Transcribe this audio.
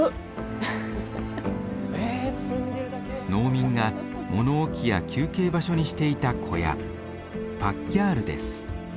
農民が物置きや休憩場所にしていた小屋パッギャールです。